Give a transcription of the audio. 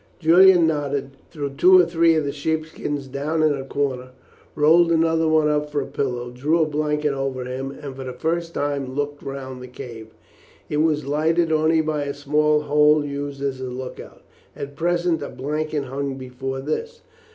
Julian nodded, threw two or three of the sheep skins down in a corner, rolled another up for a pillow, drew a blanket over him, and for the first time looked round the cave. It was lighted only by a small hole used as a look out; at present a blanket hung before this.